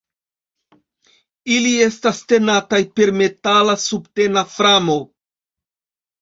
Ili estas tenataj per metala subtena framo.